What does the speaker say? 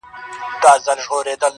کال په کال یې زیاتېدل مځکي باغونه،